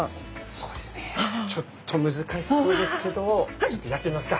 そうですねちょっと難しそうですけどちょっとやってみますか。